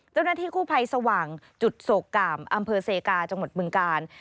เจ้าหน้าที่กู้ภัยสว่างจุดโศกกามอำเภอเซกาจังหวัดบึงกาล